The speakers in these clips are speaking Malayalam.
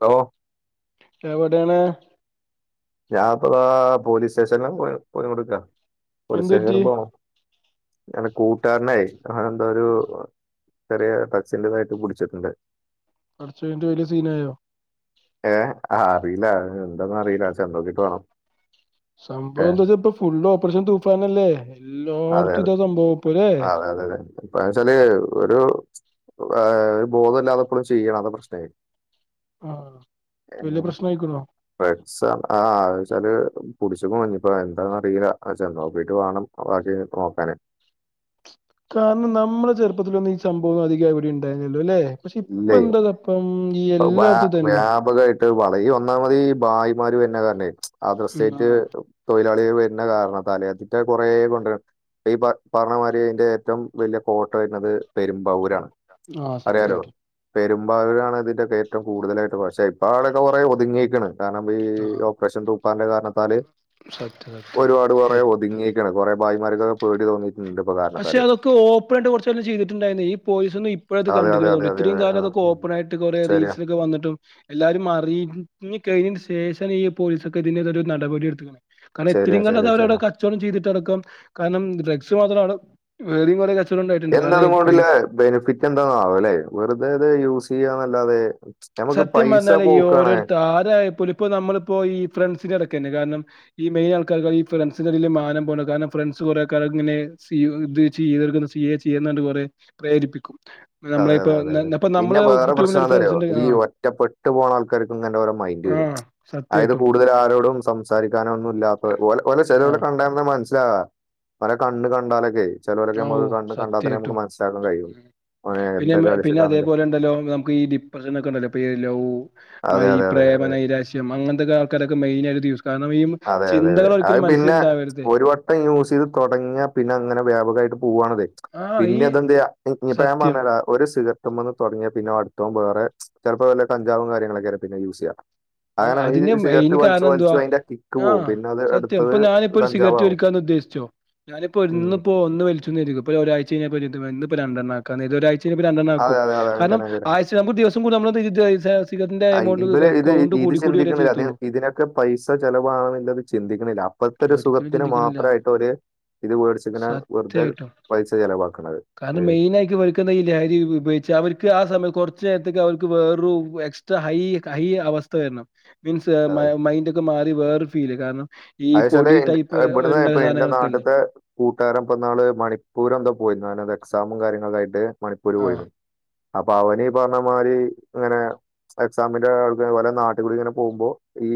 ഹലോ എവിടെ ആണ് ഞാൻപ്പതാ പോലീസ് സ്റ്റേഷനിൽ പോയി കൊടുക്കാ പോലീസ് എന്ത് സ്റ്റേഷനിൽ പറ്റി പോണം ഞനെ കൂട്ടുകാരനെ അവനെന്തൊരു ചെറിയ ടച്ചിന്റതായിട്ട് കുടിച്ചിട്ടുണ്ട് കൊറച്ച് കഴിഞ്ഞിട്ട് വലിയ സീനായോ ഏ ആ അറിയില്ല എന്താന്നു അറിയില്ല ചെന്നോക്കിട്ട് വേണം ഏ സംഭവം എന്താ വെച്ചാ ഇപ്പൊ ഫുള് ഓപ്പറേഷൻ തൂഫാനല്ലേ അതെ എല്ലായിടത്തും അതെ ഇതാ സംഭവം ഇപ്പൊ അല്ലേ അതെ അതെ അതെ ഇപ്പ വെച്ചാല് ഒരു ഏ ഒരു ബോധം ഇല്ലാതെ ഇപ്പോളും ചെയ്യാണേ അതാണ് ആ ഇത് വലിയ പ്രശ്നമായിക്കണോ പ്രശ്നം ആച്ചാല് [inaudible] കുടിച്ച്ക്ക്ണു ഞ് പ്പെന്താന്നറീല്ല ആ ചെന്നോക്കീട്ട് വാണം. ബാക്കി നോക്കാന് കാരണം നമ്മടെ ചെർപ്പത്തിലൊന്നും ഈ സംഭവം അധികം എവിടിം ണ്ടായില്ലല്ലോ ല്ലേ ഇല്ലെയ് ഇപ്പൊ ബാ എല്ലായിടത്തും തന്നെ വ്യാപകായിട്ട് വളയു ഈ ഒന്നാമതീ ബായ് മ്മാര് വെര്ണെ കാരണെ ഉം, ആ അതർസ്‌റ്റേറ്റ് തൊഴ് ഴിലാളികള് വെര്ന്നെ കാരണത്താലെ ഇതിറ്റ കൊറേ കൊണ്ടരാ ഈ പ പർഞ്ഞമാരി അയ്ന്റെ ഏറ്റവും വെല്യ കോട്ട വെര്ന്നത് പെരുമ്പാവൂരാണ്. ആ അറിയാലോ സത്യായിട്ടും പെരുമ്പാവൂരാണ് ഇതിന്റെയൊക്കെ ഏറ്റവും കൂടുതലായിട്ട് പക്ഷേ ഇപ്പ അവടൊക്കെ കൊറേ ഒതുങ്ങീക്ക്ണ്. കാരണം ഈ ആ ഓപ്പറേഷൻ തൂഫാന്റെ കാരണത്താല് സത്യം ഒരുപാട് കൊറെ സത്യം ഒത്ങ്ങീക്ക്ണ് കൊറേ ഭായിമാർക്കൊക്കെ പേടി തോന്നി പക്ഷെ അതൊക്കെ ഓപ്പണായിട്ട് കൊർച്ച് കാലം ചെയ്തിട്ടുണ്ടായിരുന്നു ഈ പോലീസ് ന്ന് ഇപ്പഴാത് അതെ അതെ കണ്ടക്ക്ണ് അതെ തോന്നണ് അതെ ഇത്രയും അതെ കാലം ആ അതൊക്കെ ഉം ഓപ്പണായിട്ട് കൊറെ ശരിയാ റീൽസിലൊക്കെ വന്നിട്ടും എല്ലാരും അറിഞ്ഞി കഴിഞ്ഞ യ്ന് ശേഷാണ് ഈ പോലീസൊക്കെ ഇതിനെതിരൊര് നടപടി എട്ത്ത് ക്ക്ണേ. കാരണം ശരിയാ ഇത്രയും കാലം ശരിയാ ശരിയാ അതവരവടെ കച്ചോടം ചെയ്തിട്ടടക്കം കാരണം ഡ്രഗ്സ് മാത്രാണ് വേറിം കൊറേ കച്ച എന്താണയ്നോണ്ട് ല്ലേ ബെനെഫിറ്റെന്താണാവേ ല്ലെ വെറുതെ ഇത് യൂസെചെയ്യാന്നല്ലാതെ സത്യം പർഞ്ഞാലേ ഈ ഓരോര്ത്ത ആരായപ്പോലും ഇപ്പോ നമ്മള്പ്പോ ഈ ഫ്രണ്ട്സിൻ്റെടക്കെന്നെ കാരണം ഈ മെയ്നാൾക്കാർക്ക് ഈ ഫ്രണ്ട്സിന്റെ ടേല് മാനം പോണ കാരണം ഫ്രണ്ട്സ് കൊറേ കാലം ഇങ്ങനെ സി ഇത് ചെയ് [unintelligible] ചെയ് ചെയ്യ്ന്ന് പർഞ്ഞ് കുറെ പ്രേരിപ്പിക്കും അതെ, ഞമ്മളിപ്പോ അതെ, അതെ, ന്ന അതെ. ന്നപ്പോ പിന്നെ നമ്മളെ വേറെ പ്രശ്നം [unintelligible] ഫ്രണ്ട്സ് എന്താന്നറിയോ? ഈ ഒറ്റപ്പെട്ട് പോകണ ആൾക്കാർക്കും ഇങ്ങനെ ഓരോ മൈൻഡ് ആ വെരും അയത് സത്യായിട്ടും കൂടുതൽ ആരോടും സംസാരിക്കാനോ ഒന്നും ഇല്ലാത്തവർ ഓലെ ആ ചെലോരെ കണ്ടാ തന്നെ മനസ്സിലാവാ ഓലെ കണ്ണ് കണ്ടാലൊക്കെ ചെലോരൊക്കെ ആ ഓ നമുക്ക് കണ്ണ് കണ്ടാത്തന്നെ സത്യായിട്ടും നമുക്ക് മനസ്സിലാക്കാൻ കഴിയും ഉം. ഓന് പിന്നെ എന്തൊക്കെ പിന്നെ അടിച്ചിട്ടാന്നൊക്കെ. അതേപോലെ ണ്ടല്ലോ നമുക്ക് ഈ ഡിപ്രഷനൊക്കെണ്ടല്ലോ പ്പ് ലൗ അതെ, മൈ അതെ, അതെ. പ്രേമനൈരാശ്യം അങ്ങൻത്തൊക്കെ ആൾക്കാരൊക്കെ മെയിനായിട്ട് അതെ അതെ അതെ അത് പിന്നെ ഉണ്ടാവരുത് ഒരു വട്ടം യൂസ് ചെയ്ത് തൊടങ്ങിയാ പിന്നെ അത് ങ്ങനെ വ്യാപകായിട്ട് പോവാണതെ ആ ഈ പിന്നെ അത് എന്തെയ്യാ ഇപ്പൊ ഞാൻ സത്യം പറഞ്ഞെരാ ഒരു സിഗ ഞമ്മക്ക് തൊടങ്ങിയാ പിന്നെ അടുത്തോൻ വേറെ ചെലപ്പോ വല്ല കഞ്ചാവും കാര്യങ്ങളൊക്കെ പിന്നെ യൂസെയ്യ ആ അതിന് മെയിൻ കാരണം എന്തുവാ അതിന്റെ കിക്ക് ആ പോവും പിന്നെ അത് സത്യം അടുത്തത് ഇപ്പൊ ഞാനിപ്പോ ഒരു സിഗരറ്റ് കഞ്ചാവാകും വലിക്കാന്ന് ഉദ്ദേശിച്ചോ ഞാനിപ്പോ ഉം ഇന്ന് പോ ഒന്ന് വലിച്ചൂന്നെര്ത്ക്കോ ഇനി ഒരാഴ്ചയ്ഞ്ഞ ഇന്ന് രണ്ടെണ്ണാക്കാ ഇതൊരായ്ചയ്ഞ അതെ രണ്ടെണ്ണാക്കും അതെ അതെ അങ്ങനെ കാരണം തന്നെ അങ്ങനെ തന്നെ. ആഴ്ച്ചാവുമ്പം ദിവസം കൂടി നമ്മള് സിഗരെറ്റ് കയ്ച്ചാ സിഗരറ്റിന്റെ ആ, ഇ- ഇവര് എമൗണ്ടിതാ അ ഇത് ഇത് ചിന്തിക്ക്ണില്ല അതി ഇതിനൊക്കെ പൈസ ചെലവാണത് ചിന്തിക്ക്ണില്ല അപ്പഴത്തെ ഒരു സുഖത്തിന് മാത്രെ പെട്ടോര് സത്യായ്ട്ടും ചെലവാക്കണത് ഏ, കാരണം മെയിനായിട്ട് ഇവൽക്ക്ത് ഈ ലഹരി ഉപയോഗിച്ച് ച്ച് അവർക്ക് ആ സമയം കൊർച്ച് നേരത്തേക്ക് അവർക്ക് വേറൊരു എക്സ്ട്രാ ഹൈ ഹൈ അവസ്ഥ വെര്ണം മീൻസ് അതെ മൈന്റൊക്കെ മാറി വേറെ ഫീല് കാരണം ഈ അതിനേശം ന്റെ പൊടി ടൈപ്പ് ഇവിടുന്ന് ഇണ്ട ഇപ്പൊ ന്റെ സാധനങ്ങളൊക്കെല്ലേ നാട്ടിത്തെ കൂട്ടുകാരൻ ഇപ്പന്നാള് മണിപ്പൂർ എന്തൊ പോയിരുന്നോല എക്സാമും കാര്യങ്ങളൊക്കായിട്ട് മണിപ്പൂര് ആഹ് പോയിരുന്നു അപ്പൊ അവനീ പർഞ്ഞ് അമാരി അങ്ങനെ എക്സാമിന്റെ ആൾ ഓലെ നാട്ട്കൂടെ ങ്ങനെ പോകുമ്പോ ഈ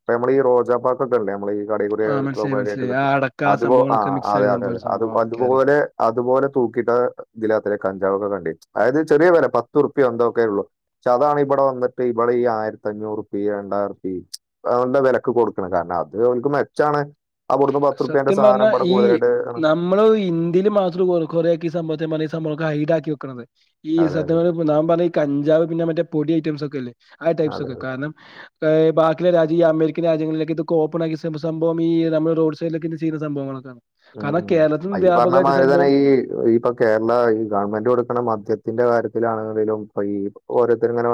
അപ്പ നമ്മളെ ഈ റോജ പാക്കൊക്കെല്ലേ നമ്മളെയീ കടേക്കൂടൊക്കെ ആഹ് മനസ്സിലായി സൗഭാഗ്യമായിട്ട് മനസ്സിലായി കിട്ട ആ അടക്ക അതെ അപോ ആ സംഭവങ്ങളൊക്കെ മിക്സ് അതെ ആയ അതെ സംഭവം അതെ ഒരു അ സംഭവം ഓക്കെ അറിയാം അതുപോലെ അതുപോലെ തൂ ക്കിട്ട് ഇതാലെത്രെ കഞ്ചാവ് ഒക്കെ കണ്ടിട്ട അതായത് ചെറിയ വെല പത്തുറുപ്യ എന്തൊക്കെ ഉള്ളു ഇച്ച് അതാണ് ഇബെടെ വന്ന്ട്ട് ഇബെടെ ഈ ആയിര്ത്തഞ്ചുർ റുപ്പിം ഈ രണ്ടായിരിം റുപ്പിം അയോണ്ടാ വെലെക്ക് കൊട് ക്ക്ണ കാരണം അത് ഓൽക്ക് മെച്ചാണ് അവിടുന്ന് പത്ത് ഉറുപ്പ്യന്റെ സത്യം സാധനം പർണാ ഇവിടെ ഈ കൂടുതലായിട്ട് നമ്മെൾ ഇന്തിൽ മാത്രം കൊറെ കൊറെയൊക്കെ ഈ സംഭവത്തെ ഞാ പർഞ്ഞാ ഈ സംഭവൊക്കെ ഹൈഡാക്കി ക്കി വെക്ക്ണെത് ഈ അതെ സത്യം പർണാപ്പം നാം പർണാ ഈ കഞ്ചാവ് പിന്നെ മറ്റേ പൊടി ഐറ്റംസ് ഒക്കെ ഇല്ലെ? ആ ടൈപ്സ് അതെ ഒക്കെ കാര്ണം പ്പെ ഈ ബാക്കിയിള്ള രാജ്യം ഈ അമേരിക്കെൻ രാജ്യങ്ങളിലൊക്കെ ഇത് ഓപ്പൺ ആക്കി സം സംഭവം ഈ നമ്മെൾ റോഡ് സെ ഡെലൊക്കെ ഇത് ചെയ്യ്ന്ന സംഭവങ്ങളൊക്കെ ഉം അയ് ഈ പർണമാതിരിയെന്നെ ഈ ഇപ്പ കേരള ഈ ഗവൺമെന്റ് കൊടുക്ക്ണെ മദ്യ ത്തിന്റെ കാര്യത്തിലാണ്ന്ന്ണ്ടെങ്കിലും ഇപ്പ ഈ ഓരോര്ത്തെര് ഇങ്ങെനെ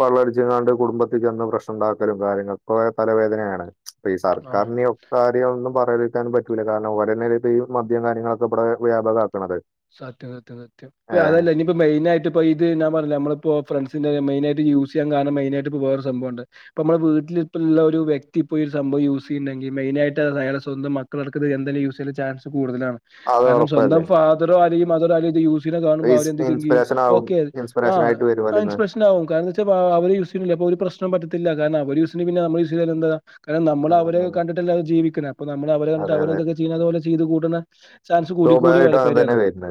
വള്ളട്ച്ചാണ്ട് കുടുംബത്ത് ചെന്ന് പ്രശ്നം ഇണ്ടാക്കെലും കാര്യങ്ങെളും ഒക്കെ [unintelligible] തലവേദനയെണ് ഇപ്പ ഈ ആ സർക്കാരിന് ഒക്കെ കാര്യം ഒന്നും പറയാതിരിക്കാനും പറ്റുലല്ലോ കാരണം ഓരെന്നെയാണ് ഇപ്പ ഈ മദ്യം കാര്യങ്ങളൊക്കെ ഇബെടെ വ്യാപകാക്ക്ണെത് സത്യം സത്യം സത്യം ഇപ്പ അത് അല്ലെയ് ഇഞ്ഞ് ഇപ്പം മെയിനായിട്ട് ഇപ്പ ഇത് നാം പർണിലെ നമ്മളിപ്പോ ഫ്രണ്ട്സിന്റെ മെയിനായിട്ട് യൂസ് ചെയ്യാൻ കാരണം മെയിനായിട്ട് ഇപ്പം വെറെ ഒര് സംഭവവുണ്ട് ഇപ്പ അമ്മെളെ വീട്ട്ൽ ഇപ്പ ഇള്ള ഒരു വ്യക്തി ഇപ്പ ഈ ഒര് സംഭവം യൂസ് സ് ചെയ്യ്ണ്ടെങ്കി മെയിനായിട്ട് അയാളെ സ്വന്തം മക്കെൾ അടക്കം ഇത് എന്തായാലും യൂസ് ചെയ്യാന് ഇള്ള ചാൻസ് കൂട്തെലാണ് അത് കാരണം സ്വന്തം ഉറപ്പല്ലേ ഫാദറോ അല്ലെങ്കി മദറോ ആരെലും ഇത് യൂസ് ണെ കാണുമ്പോ ഈ അവരെന്ത് തിങ്ക് ചെയ്യും ഇൻസ്പിറേഷൻ ആവും ഓക്കെ ആ ഇൻസ്പിറേഷൻ ആയിട്ട് വരും ആ അതിന്ന് ഇൻസ്പിരേഷെൻ ആവും കാരണം എന്ത് വെച്ചാ അവെര് യൂസ് ചെയ്യ്ണ് ഇല്ലെ അപ്പൊ ഒരു പ്രശ്നം പറ്റത്തില്ല കാരണം അവെര് യൂസ് ചെയ്യ്ണ്ടെങ്കി പിന്നെ നമ്മെൾ യൂസ് ചെയ്യ്താ എന്താ കാരണം നമ്മെൾ ഉം അവരെ ഒക്കെ ഉം കണ്ടിട്ട് അല്ലെ ജീവിക്ക്ണെ അപ്പ നമ്മെൾ അവരെ കണ്ടിട്ട് അതെ അവെര് അതെ എന്തൊക്കെ ചെയ്യ്ണെ അതുപോലെ ചെയ്ത് കൂട്ട്ന്നെ ചാൻസ് കൂടി കൂടി വരും [unintelligible] വെര്ണെ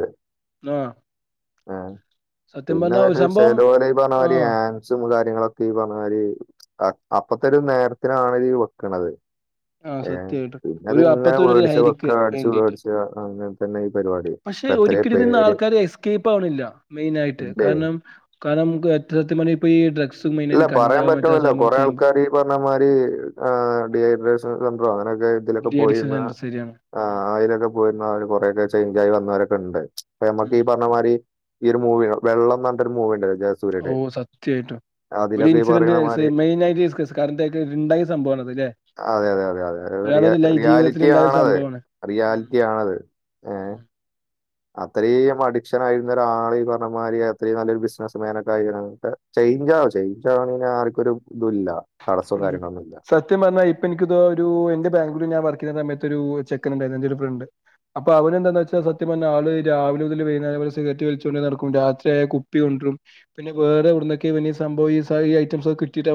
സത്യം പിന്നെ പറഞ്ഞാ ഒരു ഇവെര് സംഭവം ചെലോല് ഈ പർണ മായിരി ആഹ് ഹാൻസും കാര്യങ്ങളൊക്കെ ഈ പർണ മായിരി അപ്പത്തെ ഒര് നേര്ത്തിനാണി ഈ വെക്ക്ണെത് ആഹ് ഏഹ് സത്യായിട്ടും പിന്നെ അത് ഒരു ഇങ്ങനെ അപ്പത്തൊരു വേടിച്ച് ലഹരിക്ക് വെക്കാ വേടിച്ച് വേണ്ടിട്ട് വേടിച്ച് നട് അങ്ങനെ തന്നെ ഈ പരിപാടി പക്ഷെ ഇപ്പ എത്രേ ഒരിക്കലും ഇതിന്ന് പേര് ആൾക്കാര് എസ്കേപ്പ് ആവണില്ല മെയിനായിട്ട് ഇല്ലേ? കാരണം കാരണം നമുക്ക് ഏറ്റവും സത്യം പറഞ്ഞാ ഇപ്പൊ ഈ ഡ്രഗ്സും ഇല്ല മെയിനായിട്ട് പറയാൻ കഞ്ചാവ് മറ്റേ ആ പറ്റൂല്ല. സംഭവം കൊറെ ചെയ്യുമ്പോ ആൾക്കാര് ഈ പറഞ്ഞ മാതിരി ഡിഹൈഡ്രേഷൻ സെൻററോ അങ്ങനെയൊക്കെ ഇതിലൊക്കെ ഡി അഡിക്ഷൻ പോയിന്ന് സെന്റർ ശരിയാണ് അ ഉം അതിലൊക്കെ പിന്നെ കൊറെയൊക്കെ ചേഞ്ച് ആയി വന്നവരൊക്കെ ഇണ്ട്. അപ്പ ഞമ്മക്ക് ഉം ഈ പറഞ്ഞമാതിരി ഈ ഒരു മൂവി വെള്ളം ന്ന് പറഞ്ഞാണ്ട് ഒരു മൂവി ഇണ്ടാ [unintelligible] ഓ സത്യായിട്ട്. ഒരു അതിലൊക്കെ ഈ ഇൻസിഡന്റ് പറയണ സ് മാതിരി മെയിൻ ആയിട്ട് ഡിസ് കറട്ട ഇണ്ടായ സംഭവാണത് അല്ലെ? അതെ അതെ അതെ അത അ റിയാലിറ്റി ഇണ്ടായ ഒരു ആണത് സംഭവാണ് ഉം റിയാലിറ്റിയ ആതെ ഏ. ഉം അത്രയും അഡിക്ഷൻ ആയിരുന്ന ഒരാൾ ഈ പറഞ്ഞതിരി അത്രയും നല്ലൊരു ബിസിനസ്സ് മാനൊക്കെ ആയി. [unintelligible] [unintelligible] ഇഞ്ചാണെ ആർക്കും ഒരു ഇതും ഇല്ല. ഉം സത്യം പറഞ്ഞാ ഇപ്പൊ എനിക്കിത ഒരു എന്റെ ബാങ്ക ഞാൻ വ [unintelligible] സമയത്ത് ഒരു ചെക്ക ഉണ്ടരുന്നു ഇന്റൊരു ഫ്രണ്ട് അപ്പൊ അവന എന്താ വെച്ചാൽ സത്യം പറഞ്ഞ ആള് രാവിലെമുതല് വൈകുന്നേരം വരെ സിഗരറ്റ് വലിച് കൊണ്ടേ നടക്കും. രാത്രിയായ കുപ്പിണ്ട് [unintelligible] വേറെവിടുന്നൊക്കെ [unintelligible] സംഭവ ഈ ഐറ്റംസ് ഒക്കെ കിട്ടിട്ട്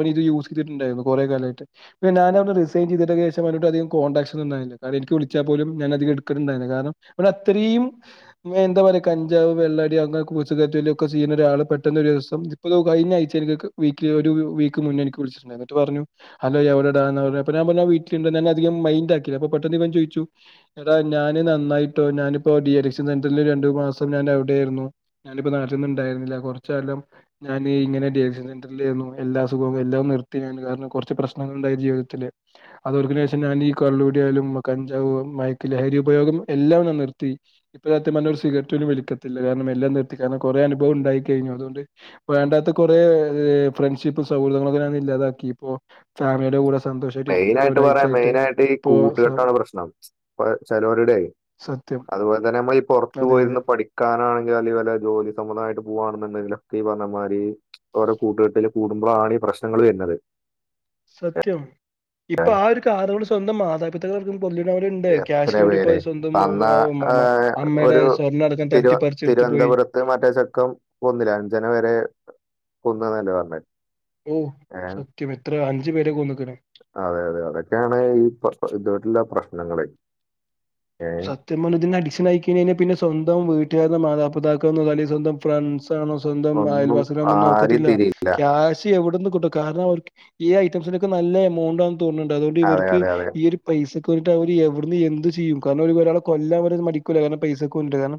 [unintelligible] [unintelligible] ട്ടുണ്ടായിരുന്നു കുറെ കാലായിട്ട് ഞാന റിസൈൻ ചെയ്തിട്ട [unintelligible] [unintelligible] കോൺടാക്ട്സ് ഒന്നുണ്ടായില്ല. കാരണം എനിക്ക് വിളിച്ചാൽ പോലും ഞാനധികം ഇടുക്കലുണ്ടായില്ല. കാരണം ഓല്ത്രയും എന്താ പറയാ കഞ്ചാവ് വെള്ളാടി അങ്ങനെലൊക്കെ കൂട്ടികെട്ടിൽ ചെയ്യുന്ന ഒരാൾ പെട്ടെന്ന ഒരു ദിവസം ഇപ്പൊരു കഴിഞ്ഞ ആഴ്ച [unintelligible] മുന്നേ എനിക്ക് വിളിച്ച എന്നിട്ട് പറഞ്ഞു ഹലോ എവിടെടാന്ന് ഞാ പറഞ്ഞ വീട്ടിലുണ്ട അധികം മൈൻഡ ആകി ല്ല അ പെട്ടെന്ന് ഇവൻ ചോദിച്ചു. ടാ ഞാന് നന്നായിട്ടോ ഞാനിപ്പോ ഡി എലക്ഷൻ സെന്ററി രണ്ടു മാസം ഞൻ എവിടെ ആയിരുന്നു. ഞ [unintelligible] ണ്ടരുന്നില്ല കുറച്ച കാലം ഞാൻ ഇങ്ങനെ ഡിൻ സെന്റിലായിരുന്നു. എല്ലാ [unintelligible] ഞാൻ കാരണം കുറച്ച് പ്രശ്നങ്ങൾണ്ടായി ജീവിതത്തില് അതൊക്ക ശേഷം ഞാൻ ഈ കള്ളൂടിയാലും കഞ്ചാവും മയക്ക ലഹരി ഉപയോഗം എല്ലാം നിർത്തി. ഇപ്പ സത്യ പറഞ്ഞ ഒരു സിഗരറ്റും വലിക്കത്തില്ല. കാരണം എല്ലാം നിർത്തി. ഞാ അ കൊറെ അനുഭവം ഉണ്ടായി കഴിഞ്ഞു. അതുകൊണ്ട് വേണ്ടാത്ത കുറെ ഏ ഫ്രണ്ട്ഷിപ്പ് സൗഹൃദങ്ങളെ താ [unintelligible] ക്കി ഇപ്പോ ഫാമിയുടെ കൂടെ സന്തോഷമായിട്ട് ഇരിക്കാണ് മെയിനായിട്ട് പറയാം ഒരാഴ്ചയായിട്ട് മെയിനായിട്ട് ഈ ഇപ്പോ സ- കൂട്ടുകേട്ടാണ് പ്രശ്നം ഇപ്പ ചെലോരുടെയെ സത്യം അതുപോലെ തന്നെ നമ്മ ഈ പുറത്തു അതെ അതെ പോയിരുന്നു പഠിക്കാനാണെങ്കിൽ അല്ലെങ്കി വല്ല ജോലി സംമ്മതമായ - പോവാണന്ന് ഇണ്ടങ്കിലും ഈ പറന്ന മാതിരി ഓരോ കൂട്ടുകെട്ടില് കൂടുമ്പോഴാണ് ഈ പ്രശ്നങ്ങൾ വരുന്നത് സത്യം ആണ് ഇപ്പൊ ആ ഒരു കാലു കൊണ്ട് സ്വന്തം മാതാപിതാക്കളെ കൊല്ല് - ണ്ട് എത്ര ക്യാഷിന വണ്ടി ഇപ്പോൊ പേര് സ്വന്തം അന്ന അമ്മയുടെ സ്വർണ്ണ അടക്കം തലറ്റിപ്പിച്ചെടുത്ത് പോയി മപുരത്ത് മറ്റേ ചക്കം കൊന്നില്ല അഞ്ചന വരെ കൊന്ന എന്നല്ലേ പറഞ്ഞ ഓ സത്യം എത്ര അഞ്ചു പേരെ കൊന്ന് അതെ അതെ അതൊക്കെയാണ് ഈ ഇതുവട്ടുള്ള പ്രശ്നങ്ങള് ഏ സത്യമോജൻ അഡിക്ഷൻ അയക്കഴിൽ പിന്നെ സ്വന്തം വീട്ടുകാരരു മാതാപിതാക്ക അല്ലെ സ്വന്തം ഫ്ര ണോ സ്വന്തം ഒന്നും അയൽവാസികൊന്നും ആരെയും നോക്കത്തില്ല തിരിയില്ല ക്യാഷ് എവിട ട്ട കാരണം അവ ഈ ഐറ്റംസിനൊക്കെ നല്ല എമൗണ്ട്ന്ന് തോന്നുന്നുണ്ട് അതുകൊണ്ട് അതെ ഇവക്ക് അതെ അതെ ഈ ഒരു പൈസ ട്ട് അവർ എവിടു നിന്ന് എന്തു ചെയ്യും കാരണം ഒരാ കൊല്ലാ മടിക്ക കാരണം പൈസ കാരണം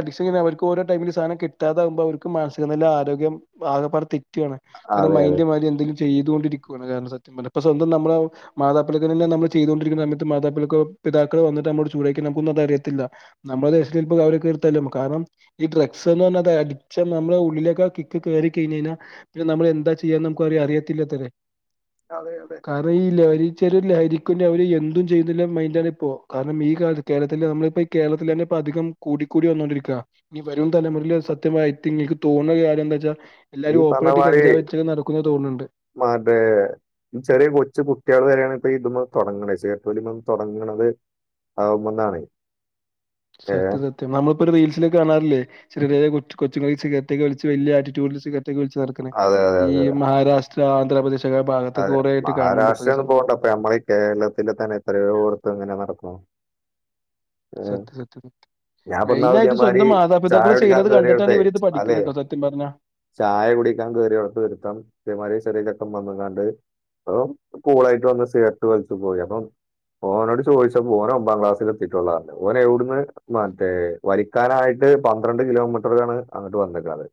അഡക്ഷ അവർക്ക് ഓരോ ടൈമില് സാനം കിട്ടാത്ത അവർ മാനസിക ന ആരോഗ്യം ആകൊ തെറ്റുണ് കാരണം അതെ അതെ മൈന്ന്റെ മാതിരി എന്തെങ്കിലും ചെയ്തുകൊണ്ടരിക്കയാണ് കാരണം സത്യം ഇപ്പൊ സ്വന്തം നമ്മുടെ മാതാപ്പിക്കക്കെല്ല നമ്മ ചെയ്തൊണ്ടിരിക്കുന്ന സമയത്ത് മാതിൾക്കെ പിതാക്കൾ വന്ന നമ്മ ചൂടാക്കി നക്കാര്യത്തില്ല നമ്മുടെശ ഇ അവ കത്താലും കാരണം ഈ ഡ്രഗ്സ് എന്ന് പറ ടിച്ച നമ്മെ ഉള്ളിലേക്കെ കിക്ക് കയറി കഴിഞ് കഴിഞ്ഞാ പിന്നെ നമ്മൾ എന്താ ചെയ്യാന്ന് നമുക്ക്റിയ അിയത്തില്ല തരെ അതെ അതെ കാരണം ഈ ലഹരിച്ച ലഹരിക്ക അവര് എന്തും ചെയ്യുന്നില്ല മൈൻന്റണ ഇ പോ കാരണം ഈാല കേരത്തില്െ നമ്മളിപ്പോ ഈ കേരളത്തിൽ തന്നെ ഇപ്പ അധികം കൂടിക്കൂടി വന്നോണ്ടരിക്കുക ഇനി വരും തലമുറ സത്യമായി നിങ്ങൾക്ക് തോന്ന കാര്യ എന്താ വെച്ചാ എല്ലാരും ഓപ്പന്നായിട്ട് കഞ്ചാവ് വച്ചക്ക നടക്കുന്ന മതേ ചെറിയ കൊച്ചു കുട്ടികൾ വരെയാണ് ഇ ഇത തുടങ്ങണ ചേട്ടലി തുടങ്ങുന്നത് ആുമ്പന്നാണ് സത്യ സത്യ നമ്മ ഇ റീൽസിലക്ക കാണാറില്ലേെ ചെറിയ കൊച്ചു സിഗരറ്റ് ഒക്കെ വലിച്ചു വലിയ ആറ്റിറ്റ്യൂഡിൽ ച്ചു നടക്കണേ അതെ ഈ മഹാരാഷ്ട്ര ആന്ധ്രാപ്രദേശ് ഒക്കെ ആ ഭാഗത്തൊക്കെ അതെ കുറെ ആയിട്ട് കാണുന്നുണ്ട് ഇപ്പൊ ഈ മഹാരാഷ്ട്രന്ന് സംഭവം പോകണ്ടപ്പ നമ്മളീ ഈ കേരളത്തില് തന്നെ എത്രയോർത്ത് ഇങ്ങനെ നടക്കുന്നു സത്യ സത്യ സത്യ ഞാൻ ഇപ്പൊ മെയിൻ ഇന്നാള് ആയിട്ട് ഇതേമാതിരി സ്വന്തം ചായ മാതാപിതാക്കൾ കുടിക്കാൻ ചെയ്യുന്നത് കേറിയോടത്തെ കണ്ടിട്ടാണ് ഇവർ ഇത് അതെ പഠിക്കുന്നത് കേട്ടോ സത്യം പറഞ്ഞ ചായ കുടിക്കാൻ കയറിയ ഉളത്ത് വരുത്തം ഇതേമാതിരി ചെറിയ ചെക്കൻ വന്നങ്ങാണ്ട് അപ്പ കൂളായിട്ട് വന്ന് സിഗരറ്റ് വലിച്ചു പോയി അപ്പം ഓനോട് ചോദിച്ചപ്പോ ഓന ഒമ്പാം ക്ലാസ്ൽ എത്തിട്ടുള്ളറ്ഞ് ഓന എവിടന്ന് മറ്റേ വരിക്കാനായിട്ട് പന്ത്രണ്ട് കിലോമീറ്ററാണ് അങ്ങട്ട് വന്നികണത്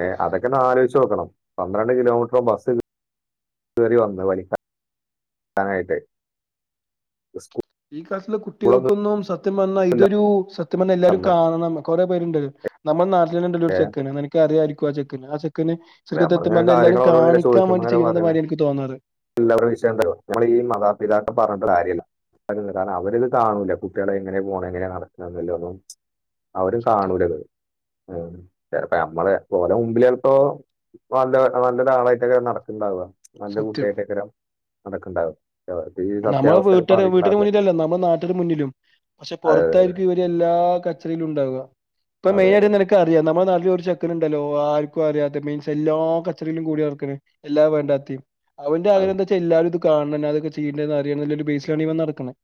ഏ അതൊക്കെനാലോചിച്ച് നോക്കണം പന്ത്രണ്ട് കിലോമീറ്ററ ബസ്സ് കയറി വന്ന് വലി നായിട്ട് സ്ക്കു ഈ കാലത്തിൽ കുട്ടികൾക്കൊന്നും സത്യം വന്ന ഇല്ല ഇതൊരു സത്യം വന്ന എല്ലാരും അന്ന് കാണണം കുറേ പേരുണ്ട് നമ്മൾ നാട്ടിൽ നിന്ന ഉണ്ടല്ലോ ഒരു ചെക്കന് നിനക്ക് അറിയായിരിക്കും ആ ചെക്കന് ആ ശരിക്കും അപ്പൊ സത്യം നമ്മളിങ്ങനെ പറ എല്ലാരേം കാര്യങ്ങൾ അവരോട് കാണിക്കാൻ വേണ്ടി ചെയ്യണതു മാതിരി യാ എനിക്ക് തോന്നാറ് എല്ലാവരും വിഷയംണ്ടും നമ്മ ഈ മാതാപിതാക്കെ പറഞ്ഞു കാര്യ കാരണം അവര്ത് കാണൂല്ല കുട്ടികളെ എങ്ങനെ പോണം എങ്ങനെയെ നടക്കണ എന്നല്ലോന്നും അവരും സത്യം കാണൂല ഉ ചപ്പ നമ്മള് പോലെ മുമ്പിലേപ്പോ നല്ല നല്ലൊതരാളായിട്ടൊക്കെ നടക്കണ്ടാവുക നല്ല സത്യം കുട്ടിയായിട്ടൊക്കെ നടക്കണ്ടാവുക നമ്മള വീട്ടടെ വീട്ടന്റെ മുന്നിലല്ലേ നമ്മുടെ നാട്ടിരു മുന്നിലും പക്ഷെ അതെ പുറത്തായിരിക്കും ഇവര് എല്ലാ അതെ അതെ മെയിനട്ട്നക്ക് അറിയാം നമ്മടെ നാട്ടി ചെക്കനുണ്ടല്ലോ ആർക്കും അറിയാത്തെ മീൻസ് എല്ലാ കച്ചറയിലും കൂടി നടക്കണ് എല്ലാ വേണ്ടാത്തി അവൻന്റെ ആഗഹം എന്ന് വച്ചാ എല്ലാരും ഇത് കാണണം അതൊ ചെയ്യേണ്ടറിയണം ആ ബേസിലൻ നടക്കണം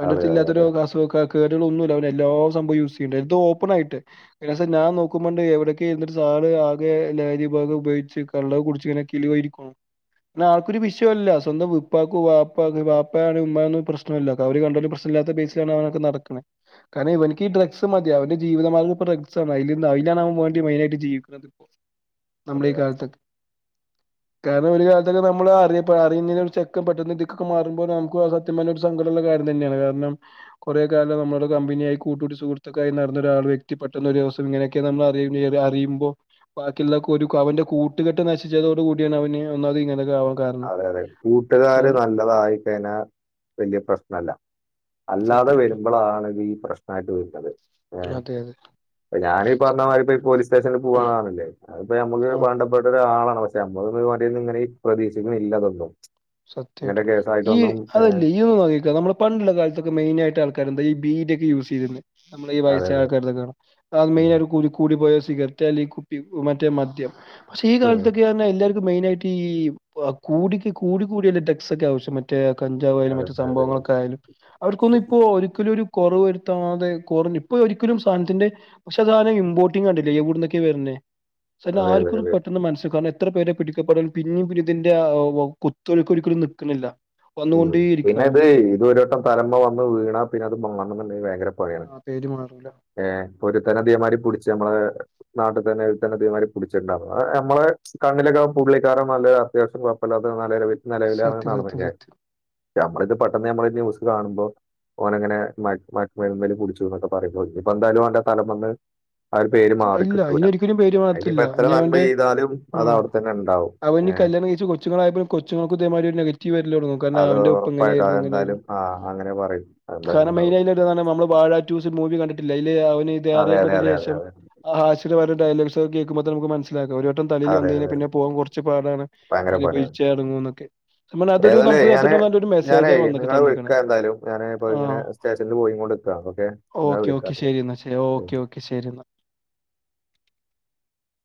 അന്റെ അടുത്ത് അതെ ഇല്ലാത്ത ഒരു [unintelligible] ഒന്നുംല്ല എല്ലാ സംഭവ യൂസ് ചെയ്യും എന്തോ ഓപ്പൺ ആയിട്ട് ഞാൻ നോക്കുമ്പണ്ട് എവിടക്കെ ഇരുന്നിട്ട് സ ള് ആകെ ലഹരി ഭാഗം ഉപയോഗിച്ച് കള്ള കുടിച്ച് ഇങ്ങനെ കിളി പോയിരിക്കനു പിന്നെ ആൾക്കൊരു വിഷയവല്ല സ്വന്തം ഉപ്പക്ക് വാ വാപ്പാണ് ഉമ്മമാന്നും പ്രശ്നമല്ല അവര് കണ്ട പ്രശ്നമല്ലാത്ത പേസിലാണ് അവനൊക്കെ നടക്കനെ കാരണമിവനിക്ക് ഡ്രഗ്സ് മതി അവന്റെ ജീവിതമാർഗം ഡ്രഗ്സ് ആണ് അവന് മെയിനായിട്ട് ജീവിക്കുന്നത് നമ്മള ഈ അതെ കാലത്ത കാരണം ഒരു കാലത്തൊക്കെ നമ്മള് അറിയുന്ന ചെക്കൻ പെട്ടെന്ന് ഒക്കെ മാറു സുഹൃത്തുക്കായി നടന്ന ഒരാൾ വ്യക്തി പെട്ട ഒരു ദിവസം ഇങ്ങനൊക്കെ നമ്മൾ അറിയുമ്പോ ബാക്കിയുള്ളൊക്ക് ഒരു അവന്റെ കൂട്ടുകെട്ട് നശിച്ചതോടു കൂടിയാണ് അവന് ഒന്നത് ഇങ്ങനെ അതെ അതെ കൂട്ടുകാര് നല്ലതായി കഴിഞ്ഞാ വലിയ പ്രശ്നല്ല അല്ലാതെ സത്യായിട്ടും വരുമ്പോള ആണ് ഇത് ഈ പ്രശ്നമായിട്ട് വരുന്നത് ഏർ അതെ അതെ അപ്പ ഞാനീഈ സ പറഞ്ഞ മാതി ഇപ്പോ പോലീസ് സ്റ്റേഷനിൽ പോകവാണാണല്ലേ അ ഇപ്പൊ മ്മക്ക് ആഹ് വേണ്ടപ്പെട്ട ഒരാളാണ് പക്ഷെ നമ്മ ഇങ്ങനെ പ്രതീക്ഷിക്കുന്നില്ല സത്യമായിട്ട് ഇങ്ങനത്തെ ഈ കേസായിട്ടൊന്നും ഏഹ്, അതല്ലേ ഈ നമ്മള് പണ്ടുള്ള കാലത്തൊക്കെ മെയിൻ ആയിട്ട് ആൾ ഈബീഡിയൊക്കെ യൂസ്എയ്ത് നമ്മളെ ഈ അതെ അതെ വയസയക്കാരത്തൊക്കെ കാണും അത് ഉം. മെയ്നായ കൂട് കൂടിപ്പോയാ സി [unintelligible] കുപ്പി മറ്റേ മദ്യം ക്ഷേ ഈ ഉം. കാലത്തൊക്കെ എല്ലാവക്കും മെയിനായിട്ട് ക കൂട്ടിക്ക് കൂടിയ ടെക്സ് ഒക്കെ ആവശ്യം മറ്റേ കഞ്ചാവ്‌ ആയാലും അതെ മറ്റു അതെ അതെ സംഭവങ്ങളൊക്കെ ആയാലും അവർക്കൊന്നും ഇപ്പോ ഒരിക്കലും ഒരു കുറവ് വരുത്താതെ ഇപ്പൊ ഒരിക്കലും സാധനത്തിന്റെ പക്ഷെ സാധനം ഇമ്പോർട്ടിണ്ടല്ലേ എവിടെന്നോക്കെയൊ വരുന്നെ സേട്ടാ അതെ അതെ ആർക്കും അതെ പെട്ടെന്ന് മനസ്സിൽ കാരണം എത്ര പേരെ പിടിക്കപ്പെടും പിന്നും പിന്ന ഇതിന്റെറെ കുത്തൊഴക്ക് ഒരിക്കലും നിൽക്കുന്നില്ല ഉം പിന്നെ വന്നുകൊണ്ടേയിരിക്കുകയാണ് ഇത് ഇത് ഒരു വട്ടം തല മേ വന്ന് വീണാ പിന്നെത് മാറണം എന്നുണ്ടെങ്കിൽ ഭയങ്കര യാണ് ആ പേര് മാറൂല ഏ ഇപ്പൊ ഒരു തനധികമാതി പിടിച്ച് നമ്മള് നാട്ടിൽ തന്നെ ഒരുതന്നെ ഇതേ മാതിരി പുടിച്ചിട്ടണ്ടാവും നമ്മളെ കണ്ണിലൊക്കെ പുള്ളിക്കാരൻ നല്ല അത്യാവശ്യം നിലവില സത്യം നടന്ന സത്യം [unintelligible] സത്യം നമ്മളിത് പെട്ടെന്ന് ഞമ്മൾ ന്യൂസ് കാണുമ്പോ ഓനങ്ങനെ മ മേന്മൽ കുടിച്ചു എന്നൊക്കെ പറയുമ്പോ ഇപ്പ എന്തായാലും അവന്റെ തലം വന്ന് ആ ഒരു പേര് മാറി ഇല്ല കിട്ടൂല ഇനി ഒരിക്കലും പേര് അനിയിപ്പോ മാറത്തില്ല എത്ര ഇനി നന്മ അവന്റെ ചെയ്താലും ആ അത് അവിടെത്തന്നെ ണ്ടാവും അവന് കല്യാണം കഴിച്ച് കൊച്ചുങ്ങൾ കൊച്ചുൾക്ക്ഒരു നെഗറ്റീവ ആ അത് അവന്റെ ഒപ്പ ഉറപ്പായിട്ടും എങ്ങനെയായിരുന്നു എങ്ങനയിന്ന് അതെന്തായാലും ആ അങ്ങനെ പറയും എന്തായാലും കാരണം ഉണ്ടാവും മയിനയിട്ട് താണ് നമ്മള് വാഴടു സിൻ മൂവി കണ്ടിട്ടില്ല ഇത അതെ അതെ അറിയപ്പെതിനന് അതെ അതെ ശേഷം അതെ ആശരമായ ഡയലോഗ് കേൾക്കുപോൾ നമുക്ക് മനസിലാകു ഒരു വട്ടം തലയിൽ വന്ന് അതെ കഴിഞ്ഞാൽ അതെ പിന്നെ പോവാൻ കുറച്ചു പാടാണ് ഭയങ്കര പണിയാണ് അനുഭവിച്ച അടങ്ങും എന്നൊക്കെ അതൊരു ഏതായാലും ഞാന് നമുക്ക്ത്തിട്ടു ഒരു ഞാനേ മെസ്സേജാ വ നിങ്ങളെ തന്നക്കണേ വിളിക്കാം എന്തായാലും ഞാന് ഇപ്പൊ ആ ഇങ്ങനെ സ്റ്റേഷനിൽ പോയിക്കൊണ്ടിരിക്കാ ഓക്കെ നിങ്ങളെ ഓക്കെ ഓക്കെ വിളിക്കാം ശരി എന്നാ ഓക്കെ ഓക്കെ ശരി എന്നാ